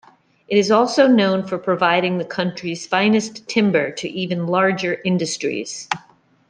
It is also known for providing the country's finest timber to even larger industries.